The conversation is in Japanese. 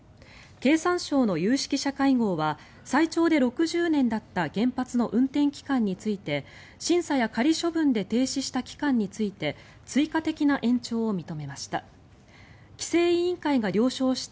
経産省の有識者会合は最長で６０年だった原発の運転期間について審査や仮処分で停止した期間について追加的な延長を認めました。